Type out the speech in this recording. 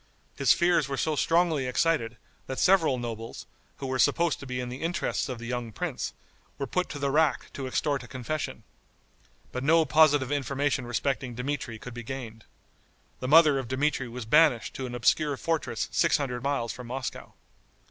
His fears were so strongly excited, that several nobles, who were supposed to be in the interests of the young prince, were put to the rack to extort a confession. But no positive information respecting Dmitri could be gained. The mother of Dmitri was banished to an obscure fortress six hundred miles from Moscow.